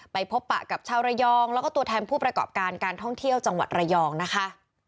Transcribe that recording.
ไปพบปะกับชาวระยองแล้วก็ตัวแทนผู้ประกอบการการท่องเที่ยวจังหวัดระยองนะคะ